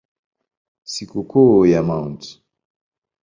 Sikukuu ya Mt.